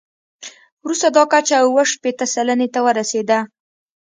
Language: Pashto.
وروسته دا کچه اووه شپېته سلنې ته ورسېده.